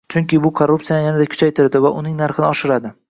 Chunki bu korruptsiyani yanada kuchaytiradi va uning narxini oshiradi